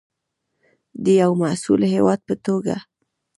د یو مسوول هیواد په توګه.